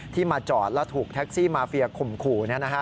ที่มาจอดแล้วถูกแท็กซี่มาเฟียขุ่มขู่นี่นะฮะ